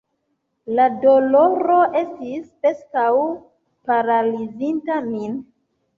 La doloro estis preskaŭ paralizinta min.